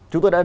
chúng tôi đã